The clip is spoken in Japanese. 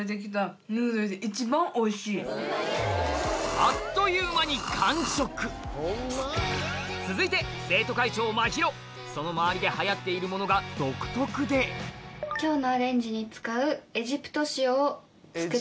あっという間に完食続いて生徒会長まひろその周りで流行っているものが独特で今日のアレンジに使う。